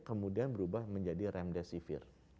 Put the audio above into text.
kemudian berubah menjadi remdesivir